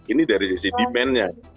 ini dari sisi demand nya